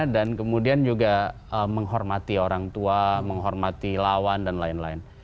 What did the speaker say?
dan kemudian juga menghormati orang tua menghormati lawan dan lain lain